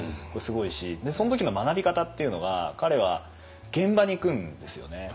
でその時の学び方っていうのが彼は現場に行くんですよね。